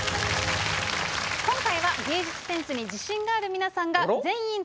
今回は芸術センスに自信がある皆さんが。